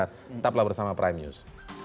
tetaplah bersama prime news